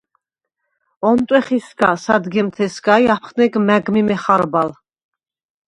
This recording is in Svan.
ონტვეხ ისგა სადგემთეჲსგა ი აფხნეგ მა̈გ მი მეხარბალ.